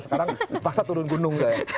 sekarang dipaksa turun gunung